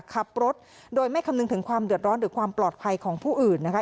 ขับรถโดยไม่คำนึงถึงความเดือดร้อนหรือความปลอดภัยของผู้อื่นนะคะ